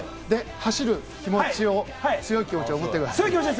走る強い気持ちを持ってください。